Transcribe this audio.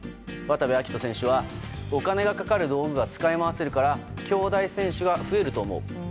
渡部暁斗選手はお金がかかる道具が使い回せるからきょうだい選手が増えると思う。